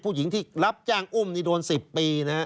ผู้หญิงที่รับจ้างอุ้มนี่โดน๑๐ปีนะฮะ